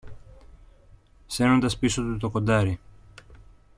σέρνοντας πίσω του το κοντάρι.